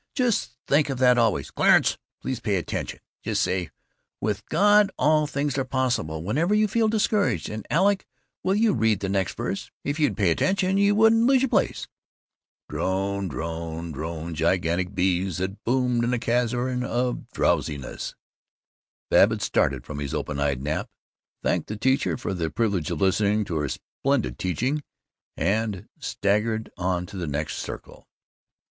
Just think of that always Clarence, please pay attention just say 'With God all things are possible' whenever you feel discouraged, and, Alec, will you read the next verse; if you'd pay attention you wouldn't lose your place!" Drone drone drone gigantic bees that boomed in a cavern of drowsiness Babbitt started from his open eyed nap, thanked the teacher for "the privilege of listening to her splendid teaching," and staggered on to the next circle.